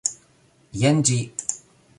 Jen ĝi!